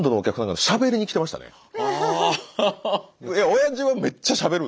おやじはめっちゃしゃべるんで。